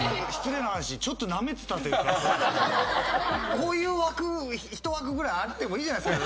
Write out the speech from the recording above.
こういう枠一枠ぐらいあってもいいじゃないですか。